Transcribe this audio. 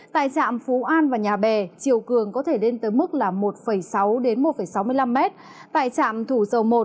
một mươi tại trạm phú an và nhà bè chiều cường có thể lên tới mức là một sáu đến một sáu mươi năm mét tại trạm thủ dầu